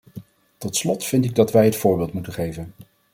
Tot slot vind ik dat wij het voorbeeld moeten geven.